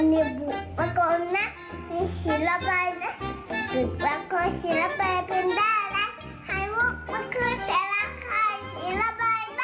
มีบุปกรณ์ศิลป์เป็นได้แล้วให้บุปกรณ์ศิลป์ให้ศิลป์เลยบ้าง